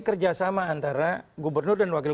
kerjasama antara gubernur dan wakil